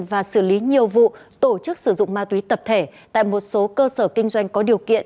và xử lý nhiều vụ tổ chức sử dụng ma túy tập thể tại một số cơ sở kinh doanh có điều kiện